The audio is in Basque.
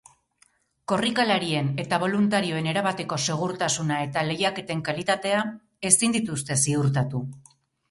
Korrikalarien eta boluntarioen erabateko segurtasuna eta lehiaketen kalitatea ezin dituzte ziurtatu.